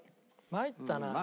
参ったな。